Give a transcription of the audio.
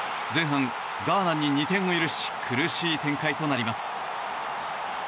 前半、ガーナに２点を許し苦しい展開となります。